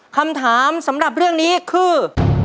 คำถามสำหรับเรื่องนี้คือ